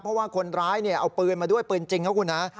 เพราะว่าคนร้ายเอาปืนมาด้วยปืนจริงครับคุณฮะ